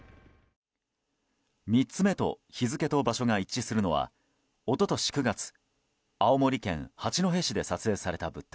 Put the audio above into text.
３つ目と日付と場所が一致するのは一昨年９月青森県八戸市で撮影された物体。